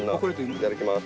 いただきます。